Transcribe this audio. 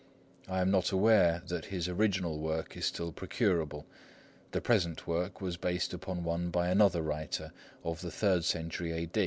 I am not aware that his original work is still procurable; the present work was based upon one by another writer, of the third century A.